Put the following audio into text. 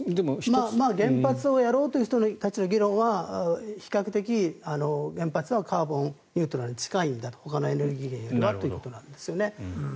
原発をやろうという人たちの議論は比較的、原発はカーボンニュートラルに近いんだとほかのエネルギーよりはということなんですね。